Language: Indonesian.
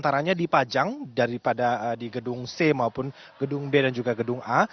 dari lima ratus yang dipajang daripada di gedung c maupun gedung b dan juga gedung a